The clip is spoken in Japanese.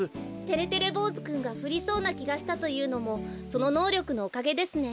てれてれぼうずくんがふりそうなきがしたというのもそののうりょくのおかげですね。